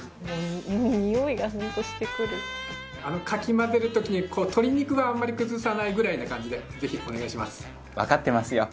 かき混ぜる時に鶏肉はあんまり崩さないぐらいな感じでぜひお願いします。